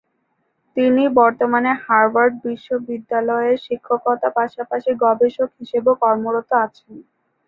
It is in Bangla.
তিনি বর্তমানে হার্ভার্ড বিশ্ববিদ্যালয়ে শিক্ষকতার পাশাপাশি গবেষক হিসেবে কর্মরত আছেন।